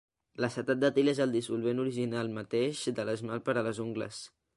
L'acetat d'etil és el dissolvent original mateix de l'esmalt per a les ungles.